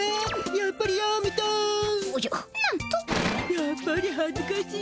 やっぱりはずかしい。